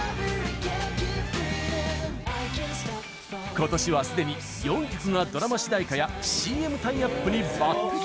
今年はすでに４曲がドラマ主題歌やＣＭタイアップに抜てき！